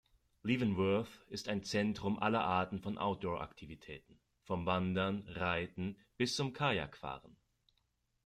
Leavenworth ist ein Zentrum aller Arten von Outdoor-Aktivitäten, vom Wandern, Reiten bis zum Kajakfahren.